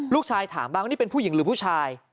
ลูกชายถามบ้างว่านี่เป็นผู้หญิงหรือผู้ชาย